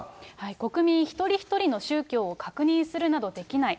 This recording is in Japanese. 国民一人一人の宗教を確認するなどできない。